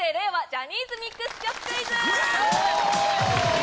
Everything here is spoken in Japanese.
ジャニーズミックス曲クイズ！